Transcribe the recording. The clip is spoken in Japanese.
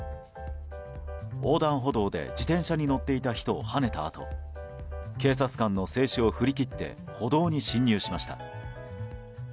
横断歩道で、自転車に乗っていた人をはねたあと警察官の制止を振り切って歩道に進入しました。